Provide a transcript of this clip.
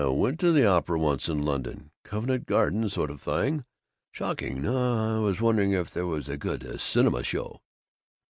Went to the opera once in London. Covent Garden sort of thing. Shocking! No, I was wondering if there was a good cinema movie."